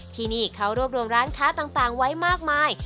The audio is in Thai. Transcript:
ที่นี่เขารวบรวมร้านค้าต่างไว้มากมาย